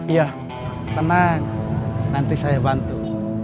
iya tenang nanti saya bantu